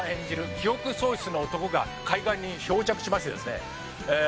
記憶喪失の男が海岸に漂着しましてですねえー